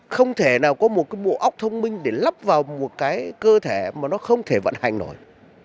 không thể nào có một cái bộ óc thông minh để lắp vào một cái cơ thể mà nó không thể vận hành nổi